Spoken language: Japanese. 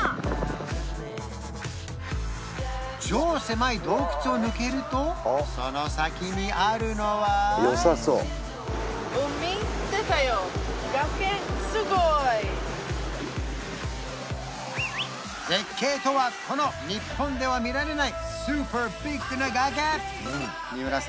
超狭い洞窟を抜けるとその先にあるのは絶景とはこの日本では見られないスーパービッグな崖！